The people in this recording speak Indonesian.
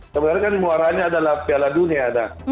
sebenarnya kan muaranya adalah piala dunia